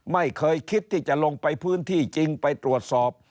ไม่เคยคิดที่จะลงไปพื้นที่จริงไปตรวจสอบ